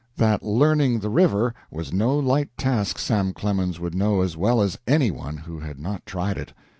That learning the river was no light task Sam Clemens would know as well as any one who had not tried it.